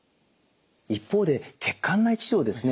一方で血管内治療ですね。